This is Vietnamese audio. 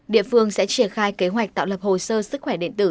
địa phương sẽ triển khai kế hoạch tạo lập hồ sơ sức khỏe điện tử